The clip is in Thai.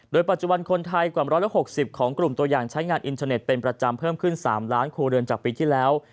ปัจจุบันคนไทยกว่า๑๖๐ของกลุ่มตัวอย่างใช้งานอินเทอร์เน็ตเป็นประจำเพิ่มขึ้น๓ล้านครัวเรือนจากปีที่แล้ว